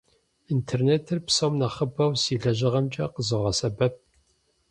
Интернетыр псом нэхъыбэу си лэжьыгъэмкӏэ къызогъэсэбэп.